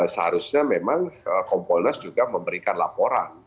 seharusnya memang kompolnas juga memberikan laporan